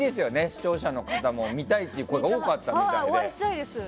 視聴者の方も見たいという声が多かったみたいで。